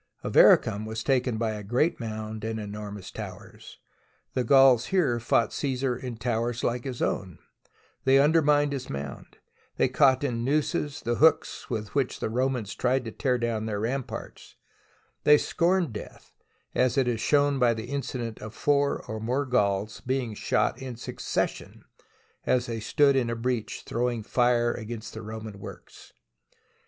Avaricum was taken by a great mound and enor mous towers. The Gauls here fought Caesar in towers like his own; they undermined his mound; they caught in nooses the hooks with which the Ro mans tried to tear down their ramparts; they scorned death, as is shown by the incident of four or more Gauls being shot in succession as they stood SIEGE OF SYRACUSE in a breach throwing fire against the Roman works.